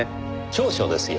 調書ですよ。